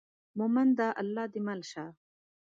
مومنه له الله دې مل شي.